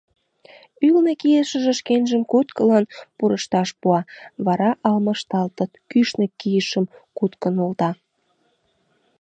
Ӱлнӧ кийышыже шкенжым куткылан пурышташ пуа, вара алмашталтыт, кӱшнӧ кийышым кутко нулта.